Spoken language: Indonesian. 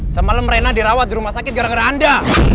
semalam rena dirawat di rumah sakit gara gara anda